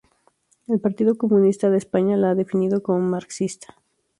El Partido Comunista de España la ha definido como marxista.